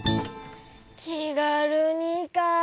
「きがるに」かあ。